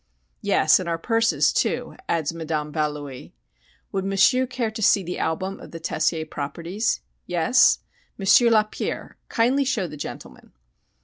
"Yes, and our purses too," adds Madame Valoie. "Would M'sieu' care to see the album of the Tessier properties? Yes? M'sieu' Lapierre, kindly show the gentleman."